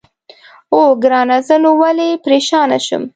اوه، ګرانه زه نو ولې پرېشانه شم؟